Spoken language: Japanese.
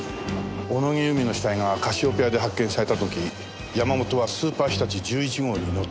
小野木由美の死体がカシオペアで発見された時山本はスーパーひたち１１号に乗っていた。